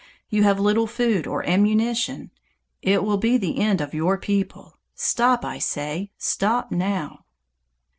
You have little food or ammunition. It will be the end of your people. Stop, I say, stop now!"